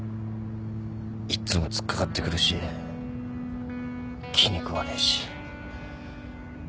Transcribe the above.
いっつも突っ掛かってくるし気に食わねえし。